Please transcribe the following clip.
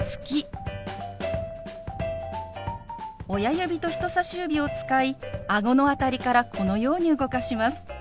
親指と人さし指を使いあごの辺りからこのように動かします。